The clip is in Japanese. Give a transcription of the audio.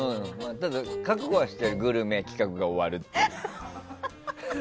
ただ覚悟はしてるグルメ企画が終わるって。